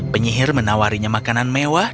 pria itu menawarkan dia makanan mewah